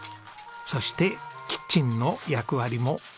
そしてキッチンの役割も。